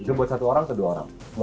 cuma buat satu orang atau dua orang